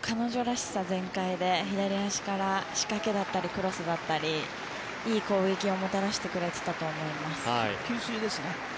彼女らしさ全開で左足から仕掛けだったりクロスだったりいい攻撃をもたらしてくれていたと給水ですね。